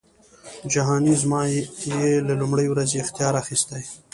جهانی زما یې له لومړۍ ورځی اختیار اخیستی